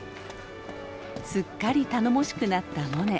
すっかり頼もしくなったモネ。